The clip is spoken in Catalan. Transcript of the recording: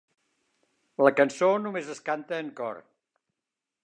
La cançó només es canta en cor.